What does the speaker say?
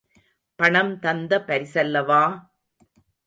பணம் தந்த பரிசல்லவா!